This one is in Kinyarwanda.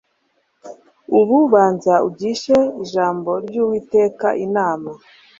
ubu banza ugishe ijambo ryUwiteka inama